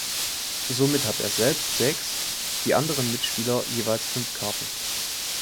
Somit hat er selbst sechs, die anderen Mitspieler jeweils fünf Karten.